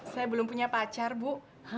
saya belum punya pacar bu